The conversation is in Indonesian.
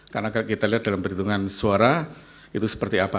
karena kita lihat dalam perhitungan suara itu seperti apa